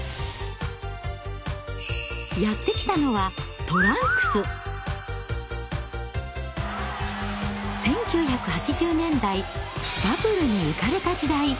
やって来たのは１９８０年代バブルに浮かれた時代。